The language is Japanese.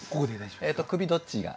首どっちが？